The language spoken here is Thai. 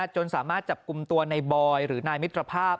จนสามารถจับกลุ่มตัวในบอยหรือนายมิตรภาพ